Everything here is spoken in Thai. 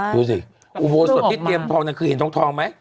ดูสิอุโบสถที่เตรียมทองนั้นคือเห็นทองไหม